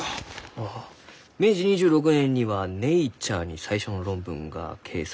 ああ明治２６年には「ネイチャー」に最初の論文が掲載されちゅうと。